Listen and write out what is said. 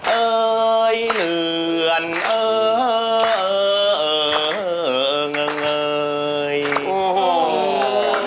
เออเหลือน